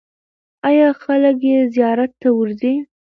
آیا خلک یې زیارت ته ورځي؟